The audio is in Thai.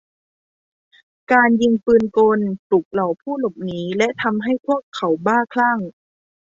การยิงปืนกลปลุกเหล่าผู้หลบหนีและทำให้พวกเขาบ้าคลั่ง